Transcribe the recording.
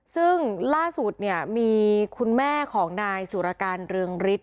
ซึ่งล่าสุดมีคุณแม่ของนายศุรกันเรืองฤทธิ์